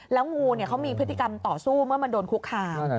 แล้วงูเขามีพฤติกรรมต่อสู้เมื่อมันโดนคุกคาม